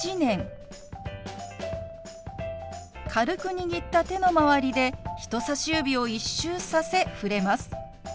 軽く握った手の周りで人さし指を一周させ触れます。